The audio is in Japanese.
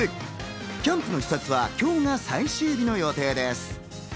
キャンプの視察は今日が最終日の予定です。